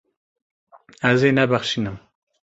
Ez ê nebexşînim.